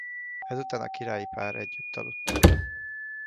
Ezután a királyi pár együtt aludt.